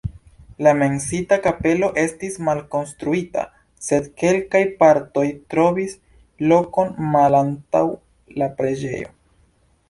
La menciita kapelo estis malkonstruita, sed kelkaj partoj trovis lokon malantaŭ la preĝejo.